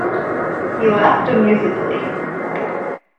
He laughed amusedly.